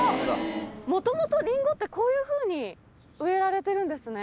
元々リンゴってこういうふうに植えられてるんですね。